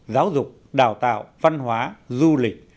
giáo dục đào tạo văn hóa du lịch